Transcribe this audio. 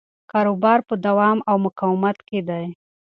کاروبار په دوام او مقاومت کې دی.